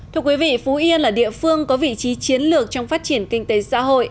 thưa quý vị phú yên là địa phương có vị trí chiến lược trong phát triển kinh tế xã hội